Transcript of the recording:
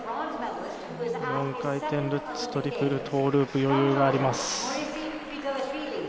４回転ルッツ、トリプルトーループ、余裕があります。